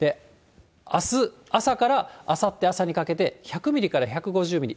あす朝からあさって朝にかけて、１００ミリから１５０ミリ。